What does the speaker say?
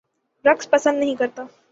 رقص پسند نہیں کرتا